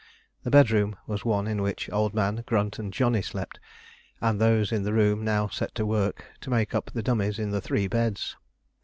The bedroom was the one in which Old Man, Grunt, and Johnny slept, and those in the room now set to work to make up the dummies in the three beds.